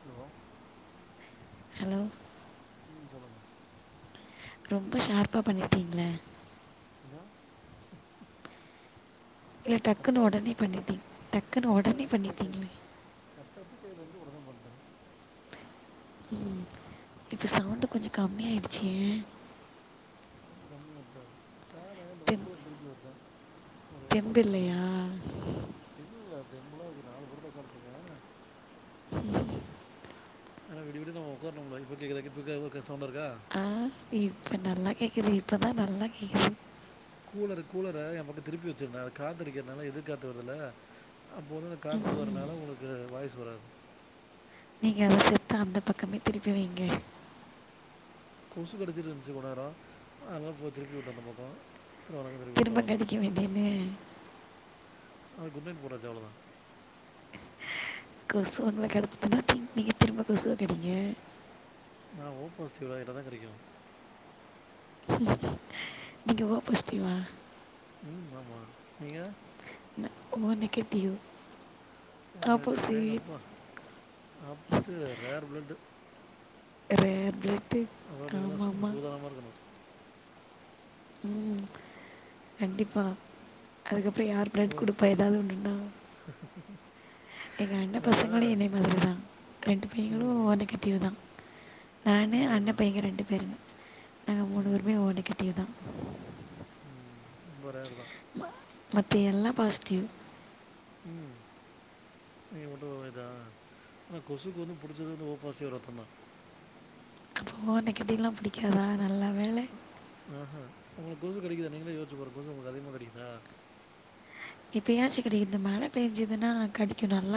Hello hello ம்.. சொல்லுங்க ரொம்ப ஷார்ப்பா பண்ணிட்டீங்களே ஹலோ இல்லை டக்குன்னு உடனே பண்ணிட்டீங்க டக்குன்னு உடனே கட்டாச்சு கேட்க பண்ணிட்டீங்க கட்டாச்சு உடனே பண்ணட்டேன் உம் இப்போ சவுண்டு கொஞ்சம் கம்மியாயிடுச்சே சவுண்ட் கம்மியா இருச்சா ஃபேனு இந்த தெம் கூலர் திருப்பி வைச்சேன் ஒரே நிமிஷம் தெம்பு இருங்க இல்லையா இல்லல்ல தெம்பளா அதுக்கு நாலு பருட சொல்லிருக்கேன் [inaudible] ஆனா விடு விடு நா உக்காரணும்ல இப்ப கேக்கு இப்ப ஆஹ் இப்ப நல்லா கேட்குது இப்போ தான் நல்லா கேது கூலர் கூலரை என் பக்கம் திருப்பி வச்சிருந்தன் அது காத்தடிக்கிறதுனால எதிர்கத்து வருதுல்ல அப்போத அந்த காத்துக்கு ம், வறனால உங்களுக்கு வாய்ஸ் வராது நீங்கள் அதை சேர்த்து அந்த பக்கமே திருப்பி வைங்க கொசு கடிச்சட்டு இருந்துச்சு கொஞ்ச நேரம் அதான் போய் திருப்பி விட்டே அந்த பக்கம் திரும்ப அந்த பக்கம் திருப்பி விட்டேன் திரும்ப அவ்வளோதான் நடிக்க வேண்டியன்னு அ குட் நைட் போடாச்சு அவ்வளவுதான் கொசு உங்கள கடிச்சதுன்னா நீங்க நீங்க திரும்ப கொசுவ கடிங்க நான் ஓ பாசிட்டிவ்லா என்ன தான் கடி க்கும் நீங்க ஓ பாஸ்டியு வா உம் ஆமா நீங்க ஓ நெகட்டிவு ஓ நெகட்டிவ்வா அடேங்கப்பா ஆப்புஸ்ட் ரேர் பிளட்டு ரேர் பிளட் அவ நீங்கல்லாம் சூதனமா இருக்கணும் உம் கண்டிப்பா அதுக்கப்புற அப்பு யார் ப்ரெட் ஓ கொடுப்பா ஏதாவது ஒண்டுன்னா எங்க அண்ண ஏன்னா பசங்களும் என்னைய மாதிரி தான் ரெண்டு ம் பையங்களும் ஒ ம் நேககிட்டியவு தா நானு அண்ண அதுதான் பையங்க ரெண்டு பேரு நாங்கள் மூணு பேருமே ஓ நெகட்டிவ் தான் உம் ம் ஒரே ஆள்தான் ம மத்த எல்லா பாஸிட்டிவ் ம் நீங்க மட்டும் இதா ஆனா கொசுக்கு வந்து பிடிச்சது வந்து ஓப்பாசிடிவ் ரத்தம் தான் ஓ நெகட்டிவ் எல்லாம் பிடிக்காதா நல்ல வேளை உம் உஹம் உங்களுக்கு கொசு கடிக்குதா நீங்களே யோசிசி பாருங்க கொசு உங்களுக்கு அதிகமா கடிக்குதா இப்ப ஏயாச்சு கிடை இந்த மழை பெஞ்சுதுன்னா கடி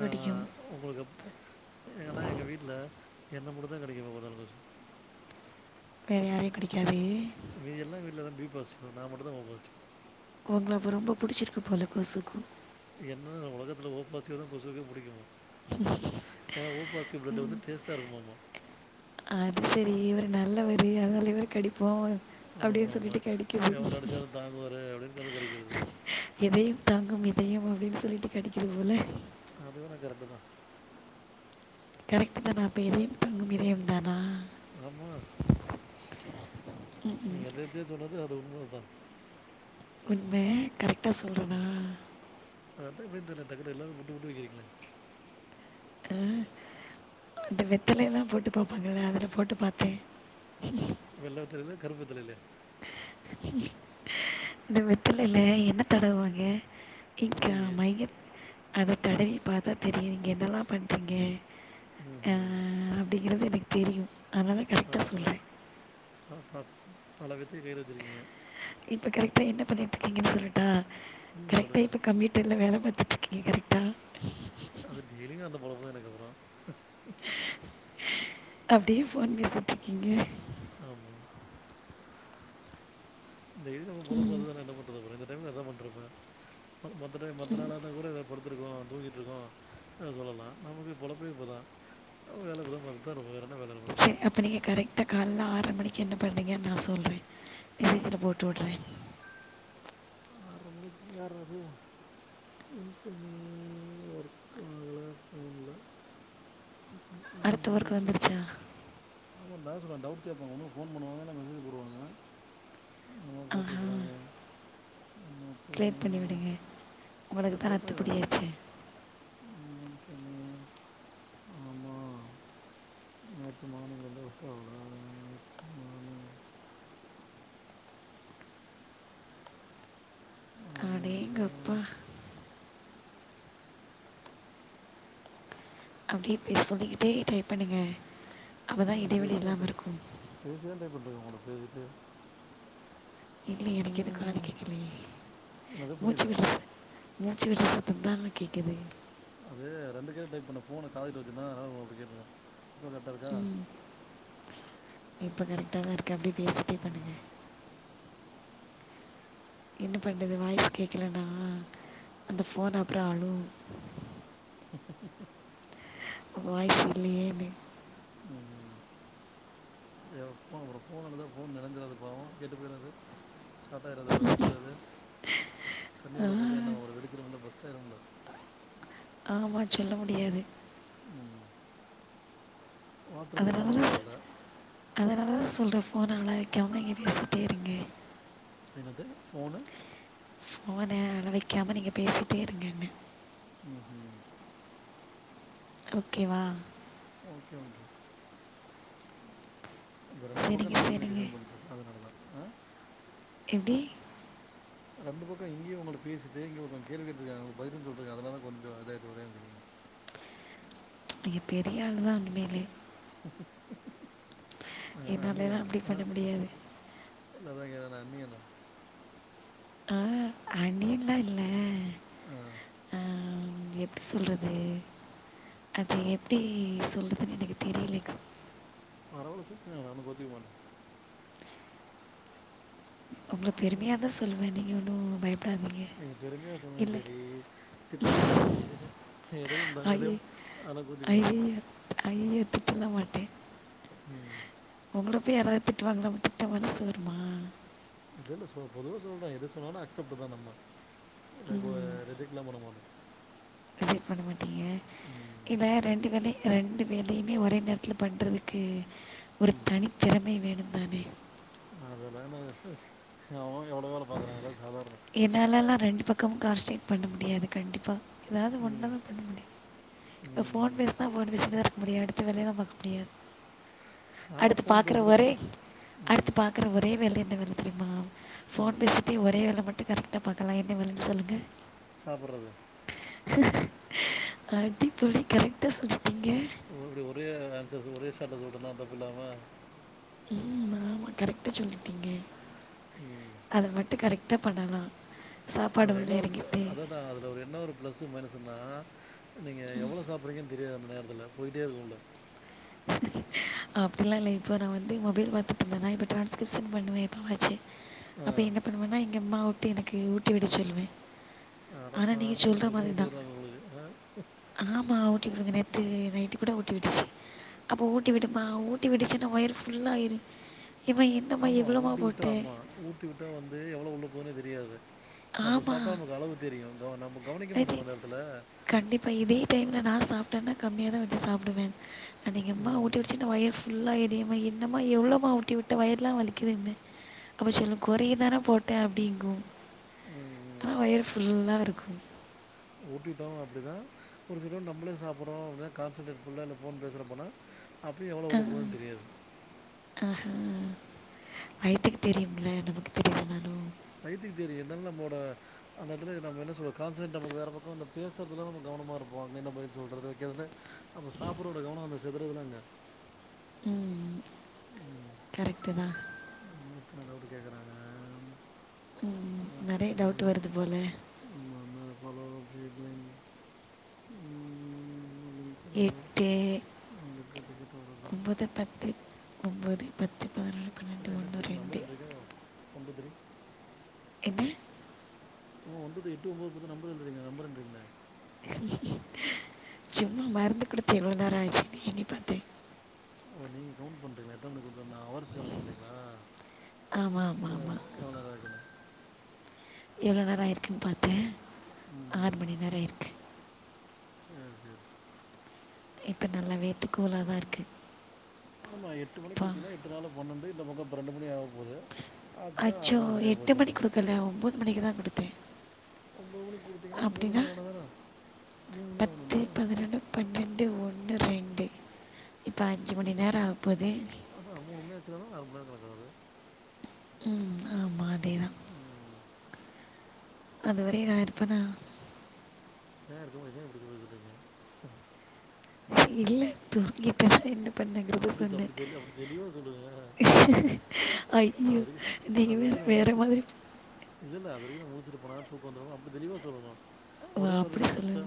ஆஹ் உங்களுக்கு எப் யானா எங்க வீட்டுல எனக்குமட்டுதான் கடிக்கும் எப்பபாத்தாலும் கொசு வேற யாரையும் கடிக்காது மீதி எல்லாம் வீட்டுலதான் பி பாஸ்ட் நான் மட்டும் தான் ஓ பாசிடிவ் உங்கள ரொம்ப புடிச்சிருக்கு போல கொசுக்கும் என்னன்னுல்லா உலகத்துல ஓ பாசிட்டிவ்தான் கொசுக்கே புடிக்குமா [inaudible] ஏன்னா ஓ பாசிட்டிவ் பிளட்டு வந்து டேஸ்ட்டா இருக்குமாமா அது சரி இவர் நல்லவர் அதனால இவர் கடிப்போம் ஆமாம் அப்படின்னு சொல்லிட்டு ஆமாம் கடிக்குது எவ்வளோ அடித்தாலும் தாங்குவார் அப்படின்னு கண்டு கிடைக்கிறது எதையும் தாங்கும் இ தயம் அப்படின்னு சொல்லிட்டு கடிக்குது போல அது வேணாம் கரெக்ட் தான் கரெக்ட் தானா அப்ப எதையும் தாங்கும் இதயம் தானா ஆமா நீங்க எததியோ சொன்னது அது உண்மை ப்ப [unintelligible] உண்ம கரெக்ட் ட்ட சொல்றேண்ணா அதான் எப்படினு தெரில டக்கு டக்கு எல்லாமே புட்டு புட்டு வக்கிறீங்களே அஹ அ வெத்தல எல்லாம் போட்டு பார்ப்பாங்கள அதுல போட்டு பார்த்தேன் வெல்ல வெத்தலலைலா கருப்பு வெத்தலைலா இந்த வெத்தலையில என்ன தடவுவாங்க இன்கா மை அதை தடவி பார்த்தா தெரியும் நீங்கள் என்னெலாம் பண்ணுறீங்க அஹ் அப்படிங்கறது தெரியும் அதனால் கரெக்டாக ஆக சொல்கிறேன் ன் பலவித் த கையில வச்சுருக்கீங்க இப்போ கெக்டாக என்ன பண்ணிட்டு இருக்கீங்கன்ன சொல்லட்டா ம் கரெக்டா சொல்லுங்கள் இப்ப கம்ப்யூட்டர்ல வேலை பாத் பத்தக்கீ கறிிட்டல் [unintelligible] அது டெய்லிங்க அந்த பொலம தா எனக்கு அப்புற உ [unintelligible] அப்பிடியே ஃபோன் பேசட்டுருக்கீங்க ஆமாம் இந்தடயலி நம போடபதுதா என்ன பண்றது [unintelligible] தெனமு அதா பண்றம [unintelligible] மத்த டை மத்த நாள தா கூட இதபடுத் இருக்கும் தூங்கிட்டு இருக்கோ சொல்லலா நமக்கு பொலப்பே இப்பதா வேலைக்கு ப சரி அப்ப நீங்க கரெக்டா கால ஆ பத்துற மணிக்கு என்ன பண்ணுறீங்கன்னு நா சொல்கிறே மெஜேசில போட்டு விடுறே ஆரம்பி யாராவது இசமே ஒர்க்க ஆக ஃபோனில் அடுத்த [unintelligible] ஒர்க் நச்சு வந்துருச்சா [unintelligible] அான் சொல்கே டவு் கேட்பாங்க ஒன்றும் ஃபன் புவாங்க இல்லைெசஜ்டுவாங்க [unintelligible] என்னமோ ஆஹா போட்டுறாங்க என்ச்ச கிளியர் பண்ணி விடுங்க அ உங்களுக்கு தான் பண்ண வச்சு அத்துப்படியாச்சு உம் [unintelligible] ஆமாம் நேற்று மார்னிங் வந்து ஒர்க்க ஆகல நேற்று மார்னிங் [unintelligible] மார்னிங்கில் அடேங்க அப்பா அப்பிடியே பே சொல்லிக்கிட்டே டைப் பண்ணுங்க உம் பேசு தான் பேசு தான் இப்பிருக்கு உட [unintelligible] இத்து [unintelligible] இல்லையே எனக்கு எது காது கேக்கலையே என்னது மூச்சு புரியல விடு ச மூச்சு விடுற சத்ததானு கேட்குது அது ரெண்டு ப டைப் பண்ண போனை காதட்டு வச்சுன்னா அப்படி கேட்டுக்கேன் இப்போ கரட்ட இருக்கா இப்ப கரெக்டா தா இருக்கு அப்புடியே பேசிட்டே ம், பண்ணுங்க என்ன பண்றது வாய்ஸ் கேக்கலனா அந்த போன் அப்புற அளு [inaudible] உங்க வாய்சு இல்லியே நீ ஃப அப்புறம் ஃபோன் வந்தால் ஃபோன் நினை்சறது பாவம் கெட்டு போயறது ஸ்டார்ட் ஆகிடுது அப்புறம் வெழுத்துடுது [unintelligible] தண்ணி ஆ உள்ள போச என்ன ஆவுறது வெடுச்சுல பாஸ் தெலஙலா [unintelligible] ஆமா சொல்ல முடியாது உம் அதல்லது அதல்லது [unintelligible] சொல்கிற ஃபோன அலா வைக்காம பேசிட்டே இருங்க என்னதுஃபோனு போஃபனை அள வைக்காம நீங்க பேசிட்டே இருங்கனு உம் உஹம் ஓகேவா ஒகே ஒகே இப்ப ரெண்டு சரிங்க பக்கம்ன் சரிங்க கம்யூனிகேஷன் பண்ருக்கேன் அதனால தான் ஆஹ எப்டி ரெண்டு பக்கம் இங்கய உங்களட பேசிட்டு இங்க ஒருதவக கேள்வி கேட்டு இருக்க அவுங்களுக்கு பதில் சொல்ரு அதனல தான் கொஞ்சம் இதயிர்சி ஒரே நிமிஷம்யிருங்க இங்க பெரிய ஆள் தான் உண்மேலே ந என்ன அன்னியனா என்னாலலாம் அப்படி ஆஹ பண்ண முடியாது எல்லாதான் க நான்னியன [unintelligible] ஹா அண்னியன்ல இல்ல ஆஹ் ஆம், எப்படி சொல்றது அது எப்படி சொல்றதன்னு எனக்கு தெரியலைக் அறவ ந அனு கோத்தமா [unintelligible] உங்க ஆமாடி பெருமையாாதான் சொல்லுவான நீ எவ னோ வ [unintelligible] நீங்க பெருமையா சொல்லலாம் சரி திட்டலாம்னு சரி எதையும் ஐய தாங்கதையும் அதனா கூச்சிக்க மாட்டே திட்டல்ளம் மாடே உம் [unintelligible] அப்பய யாராவது திட்டுவாங்க நம்ம திட்ட மனசு வருமா இல்ல இல்ல பொதுவா சொல்றேன் எத சொன்னாலும் அக்சப்ட் தான் நம்ம ரெஜிகட் எல்லாம் பணமாட்ட விசிட் பண்ண மாட்டீங்க ம் இல்ல ரெண்டு வேலை ரெண்டு வேலையுமே ஒரே நேரத்தில் பண்ணுறதுக்கு ஒரு தனி திறமை வேணும் அதே [unintelligible] அதெல்லாம்ன அவ [unintelligible] எவ்வளவால பாக்குறான் எல்லாம் சாதாரண [unintelligible] பக்கம் கார் ஸ்டேட் பண்ண முடியாது கண்டிப்பாக ஏதாவது ஒன்றால் ம் தான் பண்ண முடியும் இப்போ ஃபோன் ம் பேஸ் தான் ஃபோன் பேசில் தான் இரு அப்படியா அடுத்த வேலைய ந பார்க்க முடியாது ஆனா அடுத்து ஃபோன் பா்கற ஒரே பேசுறப்ப அடுத்து ம் பார்க்குற ஒரே வேலை என் வ தெரியுமா [unintelligible] போன் ம் பேசிட்டு ஒரே வேளை மட்டும் கரெக்டா பாக்கலாம் என்ன வேலன்னு சொல்லுங்க சாப்புடுறது அடிப்பொலி கரெக்டா சொல்லி இப்படி ஒரே ச ஒரே சாட்ல சொல்லிட்டேன்ல தப்பில்லாமா உம் ஆமா கரெக்டா சொல்லிட்டீங்க ம். அது மட்டும் கரெக்ட் கிட்டப்படலாம் அதுல என்ன ஒரு அத தான் அதுல ஒரு என்ன ஒரு பிளஸ் மைனஸ்ன்னா நீங்க எவ்ளோ சாப்படுறீங்கன்னு தெரியாது அந்நேரத்தில் போயிட்டே இருக்கும்ல அப்படிலாம் இல்ல இப்போ நான் வந்து மொபைல் பாத்தட்டுருந்தேன்னா இப்போ ட்ரான்ஸ்கிரிப்ஷன் பண்ணுவன் எப்பவாச்சு ஆ. அப்ப என்ன பண்ணுவன்னா எங்க அம்மா ஊட்டி எனக்கு ஊட்டிவிட சொல்லுவேன் அட ஆனா நீங்க பார்றா! சொல்ற இப்ப கூட மாதிரி ஊட்டி தான் விடுறாங்க உங்களுக்கு. ஆ. ஆமா ஊட்டி விடுங்க நேத்து நைட்டு கூட ஊட்டிடிச்சு அப்ப ஊட்டி விடுமா ஊட்டி விடிச்சுன்னா வயர் ஃபுல்ல ஆயிரு ஆமா ஊட்டி விட்டு ஆமா ஊட்டி விட்ட வந்து எவ்வளவு உள்ள போ போனு தெரியாது நம்ம சாப்ட்டா நமக்கு அளவு தெரியும் க நமக்கு அ கண்டிப்பா இதே டைம்ல நான் சாப்பிட்டேன்னா கம்மியா தான் வச்சு சாப்பிடுவேன் அ நீ எங்கம்மா ஊட்டி ம். விட்டுச்சின வயிர் ஃபுல் ஃபுல்லாயிரும் ஏம்மா என்னம்மா எவ்வளோமா ஊட்டி விட்ட வயி ரெல்லாம் வலிக்குதுன்பேன் அப்போ சொல்லும் குறையதானே போட்டேன் அப்படிங்கும் ம். ஆனா வயிற ஃபுல்லா இருக்கு [inaudible] ஊட்டிவிட்டோம் அப்படிதான் ஒரு சிலம் நம்ளே சாப்டடுறோம் அப்படின்னா கான்சன்ட்ரேட் ஃபுல்ல அந்த ஃபோன் பேசுற போனா அப்பயும் எவ்வளோ உள்ள ஆஹ் போகுதுன்னு தெரியாது. ஆஹ வயித்துக்கு தெரியும்ல நமக்கு தெரியலனாலும் வயித்துக்கு தெரியும் இருந்தாலும் நம்மோட அந்த இடல நம்ம என்ன சொல்ற கான்சன்ட்ரே நம்ம வேற பக்கம் அந்த பேசறதுலாம் நம்ம கவனமா இருப்போம் அங்க என்ன பதில் சொல்றது வைக்கதுன்னு அப்போ சாப்ரோட கவனம் அந்த சே தறுதலங்க [unintelligible] உம் கரெக்டு தான் டவுட்டு கேட்குறாங்க ம் என்ன நிறைய சொல்றது டவுட் வருது போல் ம்ம் ஜடல [unintelligible] எட்டு உங்களுக்கு டிக்கெட் ஓடுது ஒன்பது பத்து ஒன்பது பத்து பதினொன்று பன்னெண்டு என்ன ஒன்று தெரிய நம்பர் ரெண்டு என்ன்றக்க ஒன்ப தரியி [unintelligible] இது [unintelligible] ஆஹ ஒன்து எட்டு ஒன்பது பத்து நம்பர் எழுதுறீங்க நம்பர் என்றிங்களே சும்மா மருந்து கூடுத்து எவ்ளோ நேர ஆச்சுங்க என்ணி பார்த்தே ஓ நீங்க கவுண்ட் பண்றீங்க எத்த மணி [unintelligible] ண்ண அவர்ஸ கணக்கு பண்றீங்களா ஆமாம் ஆமாம் எவ்ள நர இருக்குண்ணு [unintelligible] எவ்ளோ நேர ஆயிருக்குன்னு பாத்தே ஆறு மணி நேர இருக்கு சேரி சேரி இப்ப நல்ல வேத்துக்கோலாதா இருக்கு [unintelligible] ஆமா எட்டு மணி குடுத்தினா எட்டு நாலு பன்னெண்டு இந்த பக்க [unintelligible] ரெண்டு மணி ஆம் [unintelligible] அச்சோ எட்டு மணி போச்சாமா குடுக்கல ஒன்பது மணிக்குதா குடுத் ஒன்பது மணி குடுத்தீங்கனா மூணு அப்படின்னா மணி ஆனதானே மூணு மணி ஆகணும்ல ரெண்டு ஒன்று ரெண்டு இப்போ அஞ்சு மணி நேர ஆகு அதா மூணு மணி ஆச்சுனாதா நாளு மணி கிடக்குறது உம் ஆமா அதேதா அதுவரை நா இருப்பேனா என் இருக்கும் இ இப்படிச்ச பேய சொறீங்க [unintelligible] இல்ல தூங்கிட்ட என்னமோ அப்புடி அப்புடி தெ அப்படி தெளிவா சொல்லுங்க அது ஐயோ! வரைக்கு நீங்க அது வேற வரைக்கு வேற மாதிரி இல்ல இ அது வரைக்கு [unintelligible] இருப்பனா தூக்க வந்துரு அப்புடி தெளிவா சொல்லனு ஓ! ஒரே அப்படி வார்தல முடிச்சுட்டா சொல்லுங்க.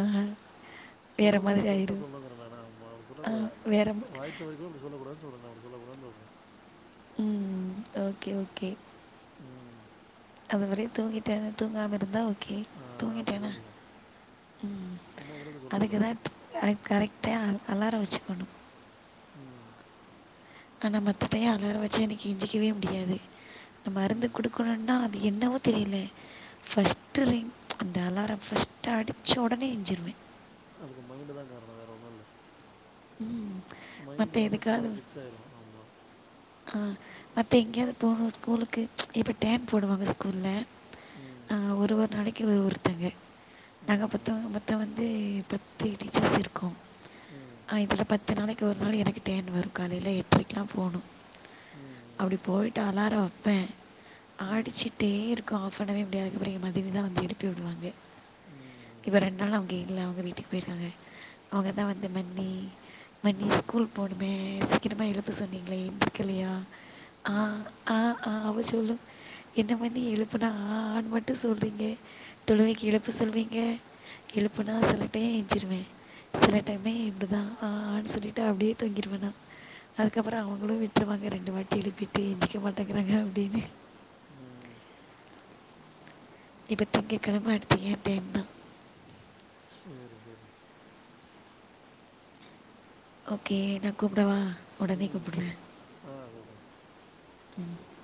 ஆஹா. வேற சொல்றது மாதிரி நம்ம கரெக்டா ஆயிரும். சொல்லணுங்கிறேன நாம அப்புடி ஆ சொல்லக்கூடாது வேற மா வாய் தவறி இப்பிடி சொல்லக்கூடாது சொல்றே உனக்கு சொல்ல கூடாதுனு சொல்றே [unintelligible] உம் ஓகே ஓகே ம் அது மாறி தூங்கிட்டே தூங்காம இருந்தா ஓ ஓகே ஆஹ் அப்படி தூங்கிட்டேனா சொல்லணும் ம் சும்மா கூட அப்படி அதுக்கு சொல்லக்கூடாது தா கரெக்ட் அப்ப அலாரம் வச்சுக்கணும் [unintelligible] உம் [unintelligible] ஆனா மத்த டய அலற வச்சு எஞ்சிக்கவே முடியாது நம்ம மருந்து ம் கொடுக்கணும்னா அது என்னவோ தெரியல ஃபஸ்ட்டு ரிங் அந்த அலார ஃபர்ஸ்ட்டு அடிச்ச உடனே எஞ்சிருவே அதுக்கு மைண்டு் தா காரண வேற ஒண்ணு இல்ல உம் மைண்டுல வந்து புல்லா பிக்ஸ ஆயிரும ஆமா ஆ மற்ற எங்கேயாவது போவுனு ஸ்கூலுக்கு இப்போ டேன் போடுவாங்க ஸ்கூல ம் ஆஹ ஒரு ஒரு நாளைக் ஒரு ஒருத்தாங்க [unintelligible] நாங்க ம் புத்தம் புத்த வ [unintelligible] வந்து பத்து டீச்சர்ஸ் இருக்கும் ம் ஆ இதுல பத்த நாளை இ ஒரு நாள் எனக்கு டேன் வரு காலையில எட்றக்கெலா போணு ம் அப்புடி போயிட்டு அலாரோ பே [unintelligible] ம் ஆடிச்சுட்டே இருக்கு [unintelligible] ஆஃப் பண்ணவே முடியாது அதுகபுற மதிவே வந்து எடுப்பி விடுவாங்க ம் இப்ப ரெண்டு நாள அவுங்க இல்ல உங்க வீட்டுக்கு போயிறாத அவகதா வந்த மந்த [unintelligible] ம் மன்னி ஸ்கூல் போனுமே மீஸ் சீக்கிரமா எழுப்ப சொன்னீங்கிளே எந்திரி கெலியா ஆஹ ஆஹ ஆஹ அவ சொல்லு என்ன மணி எழுப்புனா ஆன் மட் சொல்றீங்க தொழுகைக்கு இழப்பு சொல்வீங்க ம் எழுப்புனா ம் சொல்லிட்டே திரவே [unintelligible] சில ம் டைமே இப்புடி தான் ஆ ஆனு சொல்லிட்டு அப்புடியே தூங்கிடுவே நா அதுக்கப்புற அவுங்களு விட்டு விற்றுவாங்க ரெண்டு வாட்டி எழுப்பிட்டு எஞ்சிக்க மாட்டேங்கிறாங்க அப்பிடினு ம் இப்ப திங்ககிழம அடுத்து ஏ டைம் தா சேரி சேரி [unintelligible] ஓகே நா கூப்புடவா உம் சரி ஆஹ கூப்ட [unintelligible] ஹ [unintelligible]